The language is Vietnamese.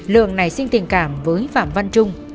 lượng này sinh tình cảm với phạm văn trung